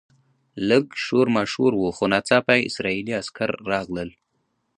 لږ شور ماشور و خو ناڅاپه اسرایلي عسکر راغلل.